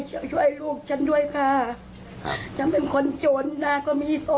ลูกไม่เคยยุ่งเขี่ยวนะคะลูกไม่เคยยุ่งเขี่ยวเรื่องอย่างนี้ค่ะ